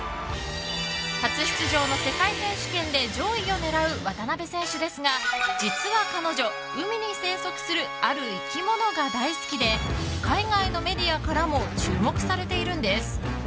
初出場の世界選手権で上位を狙う渡辺選手ですが実は彼女、海に生息するある生き物が大好きで海外のメディアからも注目されているんです。